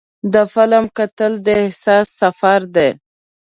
د فلم کتل د احساس سفر دی.